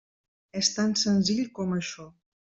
És tan senzill com això.